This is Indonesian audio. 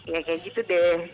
ya kayak gitu deh